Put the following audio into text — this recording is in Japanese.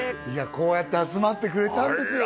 こうやって集まってくれたんですよ